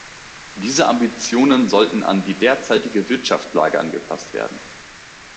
Diese Ambitionen sollten an die derzeitige Wirtschaftslage angepasst werden.